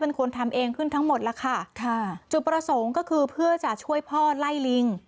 เป็นคนทำเองขึ้นทั้งหมดแล้วค่ะค่ะจุดประสงค์ก็คือเพื่อจะช่วยพ่อไล่ลิง